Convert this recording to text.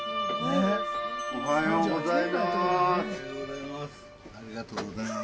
おはようございます。